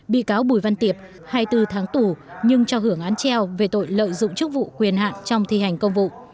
bị cáo bùi văn tiệp hai mươi bốn tháng tù nhưng cho hưởng án treo về tội lợi dụng chức vụ quyền hạn trong thi hành công vụ